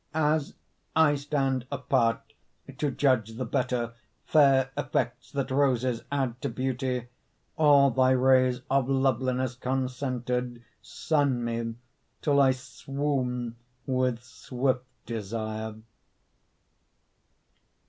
As I stand apart to judge the better Fair effects that roses add to beauty, All thy rays of loveliness concentered Sun me till I swoon with swift desire.